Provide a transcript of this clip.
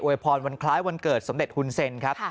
พรวันคล้ายวันเกิดสมเด็จฮุนเซ็นครับ